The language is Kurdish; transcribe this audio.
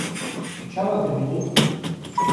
Tu çawa dibînî?